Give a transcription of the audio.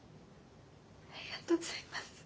ありがとうございます。